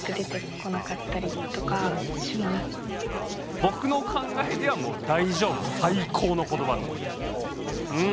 僕の考えではもう「大丈夫」最高の言葉だと思ううん。